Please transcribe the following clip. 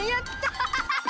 アハハハハ！